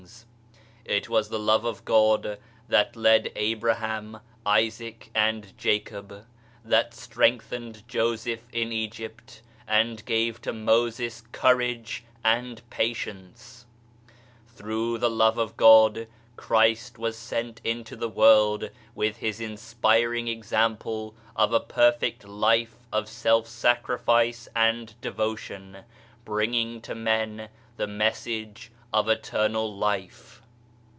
8 St Matthew iii., u. "U ALLIANCE SPIRITUALISTE " 75 It was the Love of God that led Abraham, Isaac and Jacob, that strengthened Joseph in Egypt and gave to Moses courage and patience. Through the Love of God Christ was sent into the world with His inspiring example of a perfect life of self sacrifice and devotion, bringing to men the message of Eternal Life.